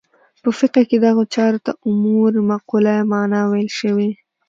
په فقه کې دغو چارو ته امور معقوله المعنی ویل شوي.